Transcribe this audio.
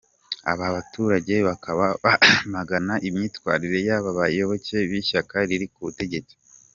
Aba baturage bakaba bamagana imyitwarire y’aba bayoboke b’ishyaka riri ku butegetsi.